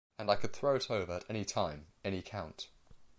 And I could throw it over at any time, any count.